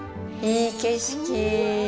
いい景色。